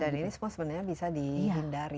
dan ini responsennya bisa dihindari